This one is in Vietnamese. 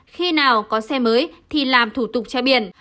khi nào có xe mới thì làm thủ tục che biển